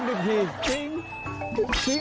เฮ้ยฝันหนึ่งที